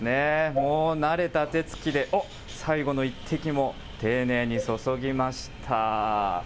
もう慣れた手つきで、おっ、最後の一滴も丁寧に注ぎました。